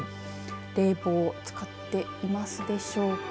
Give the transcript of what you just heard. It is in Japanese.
冷房を使っていますでしょうか。